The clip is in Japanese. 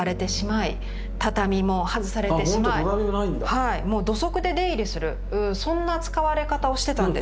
はいもう土足で出入りするそんな使われ方をしてたんです。